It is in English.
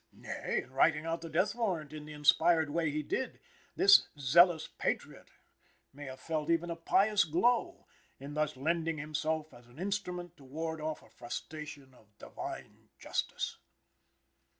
Nay, in writing out the death warrant in the inspired way he did, this zealous patriot may have felt even a pious glow, in thus lending himself as an instrument to ward off a frustration of Divine justice.